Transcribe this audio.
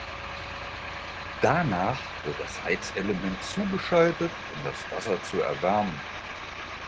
Danach wird das Heizelement zugeschaltet, um das Wasser zu erwärmen.